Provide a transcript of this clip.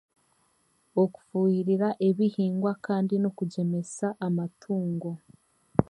Okufuhirira ebihingwa kandi n'okugyemesa amatungo